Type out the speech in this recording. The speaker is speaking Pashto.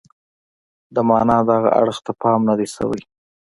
د معنا دغه اړخ ته پام نه دی شوی.